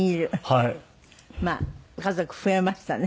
家族増えましたね。